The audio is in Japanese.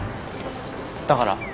だから？